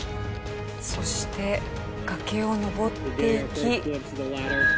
そして崖を登っていき。